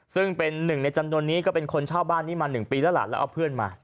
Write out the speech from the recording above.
ซึ่งเป็นหนึ่งในจำนวนนี้ก็เป็นคนเช่าบ้านนี้มา๑ปีแล้วล่ะแล้วเอาเพื่อนมา